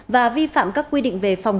và vi phạm các quy định về phòng